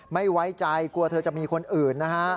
ไม่ไว้ใจกลัวเธอจะมีคนอื่นนะฮะ